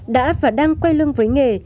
đã và đang quay lưng với nghề